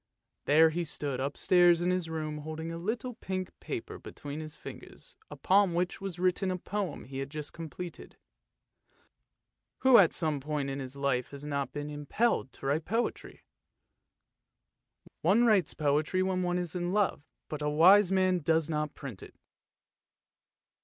There he stood upstairs in his room holding a little pink paper between his fingers upon which was written a poem he had just completed. Who at some time in his life has not been impelled to write poetry? One writes poetry when one is in love, but a THE GOLOSHES OF FORTUNE 317 wise man does not print it.